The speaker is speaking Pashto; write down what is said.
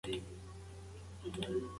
ریښتیا ووایئ.